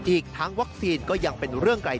อีกทั้งวัคซีนก็ยังเป็นเรื่องไกล